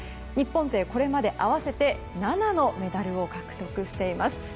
日本勢これまで合わせて７のメダルを獲得しています。